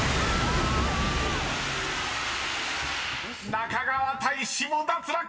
［中川大志も脱落！］